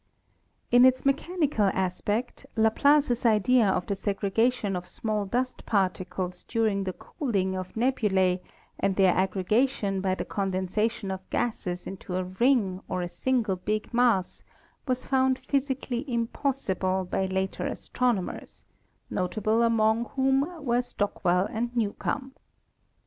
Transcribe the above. In its mechanical aspect Laplace's idea of the segrega tion of small dust particles during the cooling of nebulae and their aggregation by the condensation of gases into a ring or a single big mass was found physically impossible by later astronomers, notable among whom were Stock well and Newcomb.